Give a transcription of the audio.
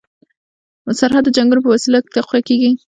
سرحد د جنګ په وسیله تقویه کړي.